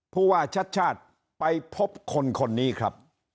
ผู้ว่าชัดชาติไปพบคนคนนี้ครับ